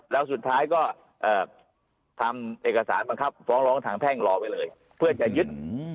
แล้วสุดท้ายก็ทำเอกสารบังคับฟ้องร้องทางแพ่งรอไว้เลยเพื่อจะยึด